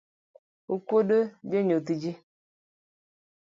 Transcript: Okuodo janyodh ji.